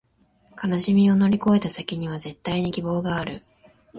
悲しみを乗り越えた先には、絶対に希望がある